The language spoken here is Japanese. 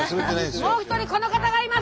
もう一人この方がいます！